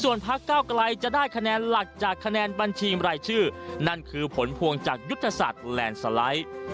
พักเก้าไกลจะได้คะแนนหลักจากคะแนนบัญชีรายชื่อนั่นคือผลพวงจากยุทธศาสตร์แลนด์สไลด์